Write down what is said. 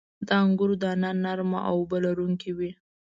• د انګورو دانه نرمه او اوبه لرونکې وي.